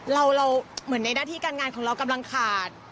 เราเหมือนในหน้าที่การงานของเรากำลังขาด